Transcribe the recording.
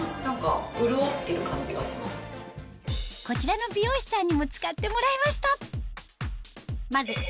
こちらの美容師さんにも使ってもらいました